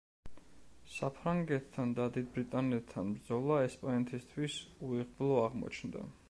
საფრანგეთთან და დიდ ბრიტანეთთან ბრძოლა ესპანეთისთვის უიღბლო აღმოჩნდა.